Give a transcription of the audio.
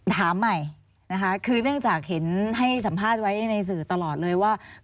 ถามใหม่นะคะคือเนื่องจากเห็นให้สัมภาษณ์ไว้ในสื่อตลอดเลยว่า